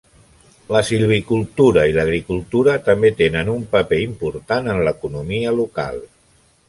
La silvicultura i l'agricultura també tenen un paper important en l'economia local.